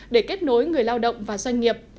để kết nối người lao động và doanh nghiệp